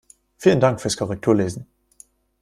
Vielen Dank fürs Korrekturlesen!